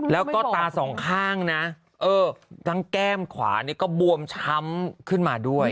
แล้วก็ตาสองข้างนะทั้งแก้มขวานี่ก็บวมช้ำขึ้นมาด้วย